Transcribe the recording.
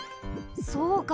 そうか！